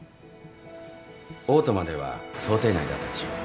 嘔吐までは想定内だったでしょう。